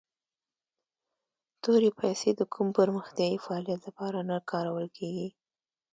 تورې پیسي د کوم پرمختیایي فعالیت لپاره نه کارول کیږي.